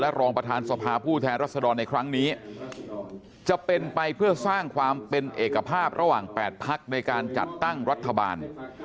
รองประธานสภาผู้แทนรัศดรในครั้งนี้จะเป็นไปเพื่อสร้างความเป็นเอกภาพระหว่าง๘พักในการจัดตั้งรัฐบาล